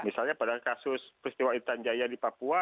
misalnya pada kasus peristiwa intan jaya di papua